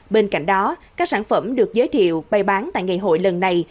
bên cạnh đó các sản phẩm được giới thiệu bay bán tại ngày hội lần này